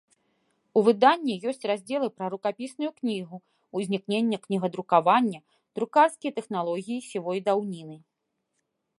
У выданні ёсць раздзелы пра рукапісную кнігу, узнікненне кнігадрукавання, друкарскія тэхналогіі сівой даўніны.